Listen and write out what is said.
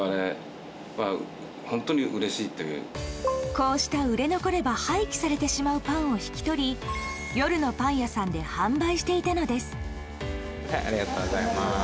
こうした売れ残れば廃棄されるパンを引き取り夜のパン屋さんで販売していたのです。